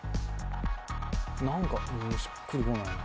何かしっくりこないな。